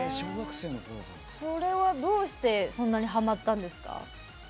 それは、どうしてそんなハマったんですか？